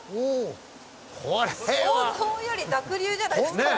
想像より濁流じゃないですか。